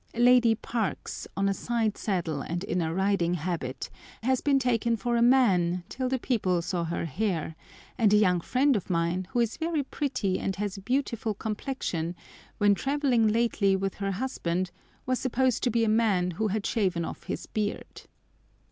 Lady Parkes, on a side saddle and in a riding habit, has been taken for a man till the people saw her hair, and a young friend of mine, who is very pretty and has a beautiful complexion, when travelling lately with her husband, was supposed to be a man who had shaven off his beard.